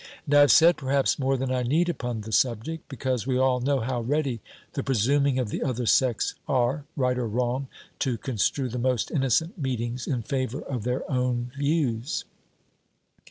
And I have said, perhaps, more than I need upon the subject, because we all know how ready the presuming of the other sex are, right or wrong to construe the most innocent meetings in favour of their own views."